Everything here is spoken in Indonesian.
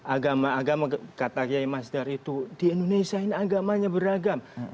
agama agama kata kiai mas dar itu di indonesia ini agamanya beragam